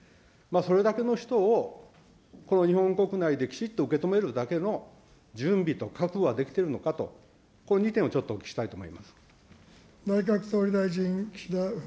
それだけの人をこの日本国内できちっと受け止めるだけの準備と覚悟ができているのかと、この２点をちょっとお聞きしたいと思います。